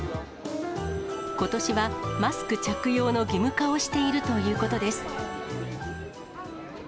ことしはマスク着用の義務化をしているということです。